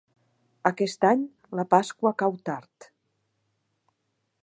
Aquest any la Pasqua cau tard.